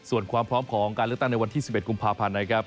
ส่วนความพร้อมของการเลือกตั้งในวันที่๑๑กุมภาพันธ์นะครับ